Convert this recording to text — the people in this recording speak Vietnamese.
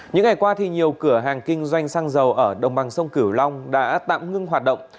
những ngày qua nhiều cửa hàng kinh doanh xăng dầu ở đồng bằng sông cửu long đã tạm ngưng hoạt động